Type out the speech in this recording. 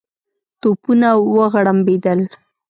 توپونه وغړمبېدل.